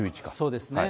そうですね。